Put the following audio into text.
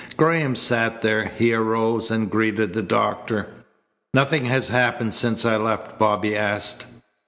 Graham sat there. He arose and greeted the doctor. "Nothing has happened since I left?" Bobby asked.